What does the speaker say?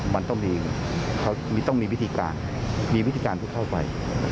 มันต้องมีวิธีการมีวิธีการที่เข้าไป